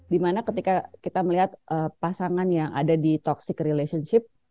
dimana ketika kita melihat pasangan yang ada di toxic relationship